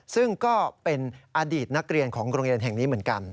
ซึ่งก็เป็นอดีตนักเรียนของโรงเรียนแห่งนี้เหมือนกัน